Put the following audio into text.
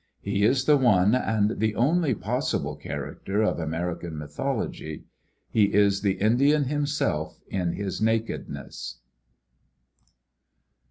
He is the one and the only possible character of American mythology; he is the Indian him self in his nakedness.